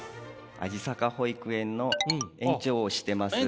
味坂保育園の園長をしてます。